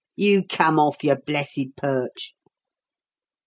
"You come off your blessed perch."